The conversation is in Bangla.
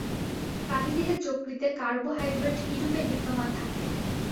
প্রাণিদেহের যকৃতে কার্বোহাইড্রেট কীরূপে বিদ্যমান থাকে?